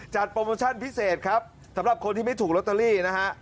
โปรโมชั่นพิเศษครับสำหรับคนที่ไม่ถูกลอตเตอรี่นะฮะ